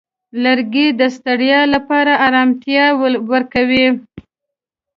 لرګی د ستړیا لپاره آرامتیا ورکوي.